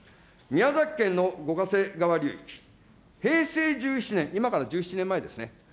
宮崎県の五ヶ瀬川流域、平成１７年、今から１７年前ですね。